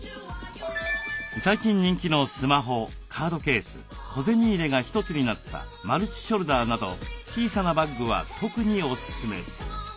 最近人気のスマホカードケース小銭入れが一つになったマルチショルダーなど小さなバッグは特におすすめ。